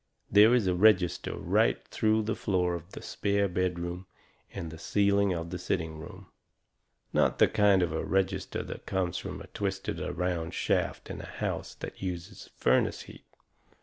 There is a register right through the floor of the spare bedroom and the ceiling of the sitting room. Not the kind of a register that comes from a twisted around shaft in a house that uses furnace heat.